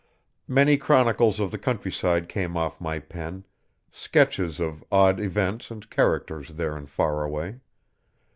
Many chronicles of the countryside came off my pen sketches of odd events and characters there in Faraway.